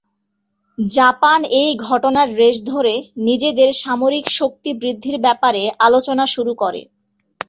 Japan এই ঘটনার রেশ ধরে নিজেদের সামরিক শক্তি বৃদ্ধির ব্যাপারে আলোচনা শুরু করে।